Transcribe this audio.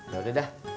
gak udah dah